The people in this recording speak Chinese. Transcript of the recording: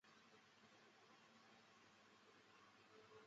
他曾效力于意乙球队维琴察足球俱乐部。